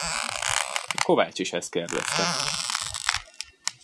A kovács is ezt kérdezte.